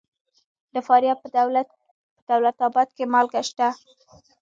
د فاریاب په دولت اباد کې مالګه شته.